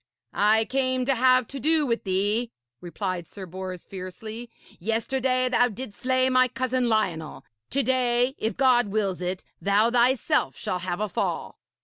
'I came to have to do with thee,' replied Sir Bors fiercely. 'Yesterday thou didst slay my cousin Lionel. To day, if God wills it, thou thyself shall have a fall.'